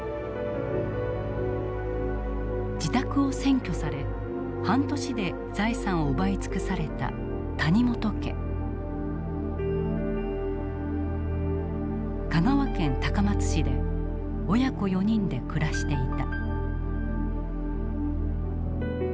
自宅を占拠され半年で財産を奪い尽くされた香川県高松市で親子４人で暮らしていた。